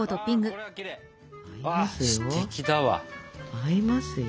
合いますよ。